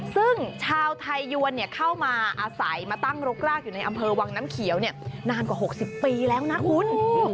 ซึ่งชาวไทยยวนเข้ามาอาศัยมาตั้งรกรากอยู่ในอำเภอวังน้ำเขียวนานกว่า๖๐ปีแล้วนะคุณ